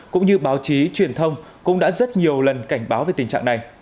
cũng như báo chí truyền thông cũng đã rất nhiều lần cảnh báo về tình trạng này